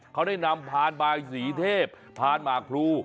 เขาได้นำพานบายสีเทพพานหมากพลู